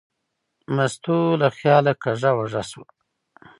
مستو له خیاله کږه وږه شوه.